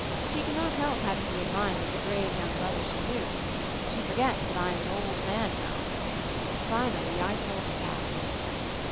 She cannot help having me in mind as the brave young brother she knew. She forgets that I am an old man now. Finally I told her that.